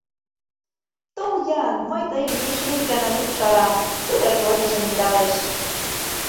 — Тол-ян, мый тыйым эше ик гана шупшалам, — тудо шольыжым ӧндалеш.